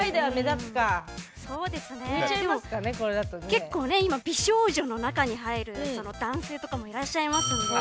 結構、美少女の中に入る男性とかもいらっしゃいますので。